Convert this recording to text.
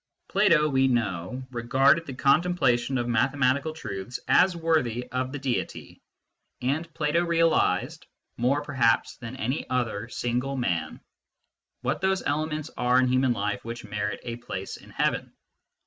Plato, we know, regarded the contemplation of mathematical truths as worthy of the 60 MYSTICISM AND LOGIC Deity ; and Plato realised, more perhaps than any other single man, what those elements are in human life which merit a place in heaven.